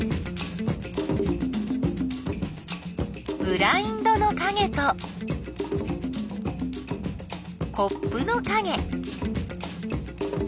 ブラインドのかげとコップのかげ。